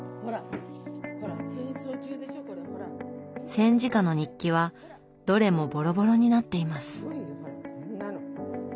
戦時下の日記はどれもボロボロになっています。